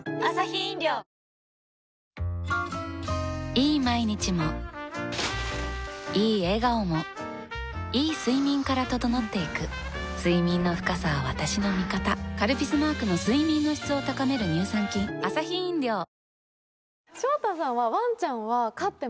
いい毎日もいい笑顔もいい睡眠から整っていく睡眠の深さは私の味方「カルピス」マークの睡眠の質を高める乳酸菌あぁ！